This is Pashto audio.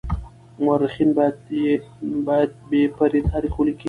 مورخين بايد بې پرې تاريخ وليکي.